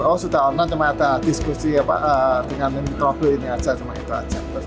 oh sudah online cuma ada diskusi dengan trouble ini aja cuma itu aja